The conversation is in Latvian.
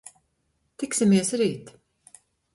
Tiksimies rīt!